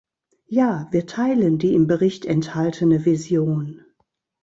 Ja, wir teilen die im Bericht enthaltene Vision.